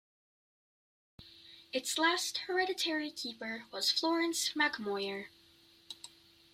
Its last hereditary keeper was Florence MacMoyer.